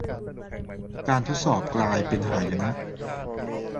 การทดสอบกลายเป็นหายนะ